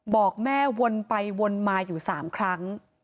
บอกแม่วนไปวนมาอยู่๓ครั้ง